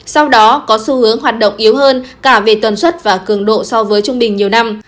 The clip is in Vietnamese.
sau đó có xu hướng hoạt động yếu hơn cả về tuần xuất và cường độ so với trung bình nhiều năm